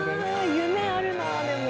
夢あるなでも。